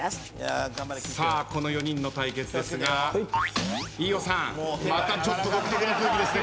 さあこの４人の対決ですが飯尾さんまたちょっと独特な空気ですね